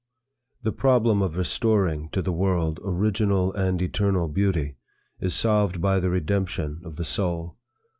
The problem of restoring to the world original and eternal beauty, is solved by the redemption of the soul.